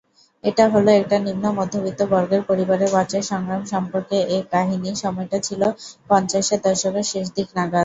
এটা হল একটা নিম্ন মধ্যবিত্ত বর্গের পরিবারের বাঁচার সংগ্রাম সম্পর্কে এক কাহিনি; সময়টা ছিল পঞ্চাশের দশকের শেষ দিক নাগাদ।